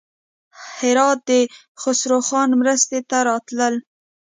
هراته د خسروخان مرستې ته راتلل.